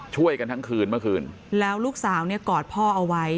ช่วยกันทั้งคืนเมื่อคืนแล้วลูกสาวเนี่ยกอดพ่อเอาไว้